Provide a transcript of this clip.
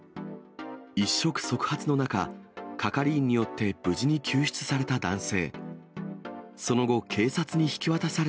一触即発の中、係員によって無事に救出された男性。